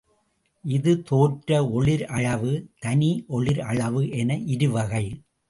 இது தோற்ற ஒளிர் அளவு, தனி ஒளிர் அளவு என இருவகை.